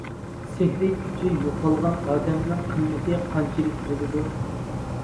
سېھرىي كۈچى يوقالغان ئادەمنىڭ قىممىتى قانچىلىك بولىدۇ.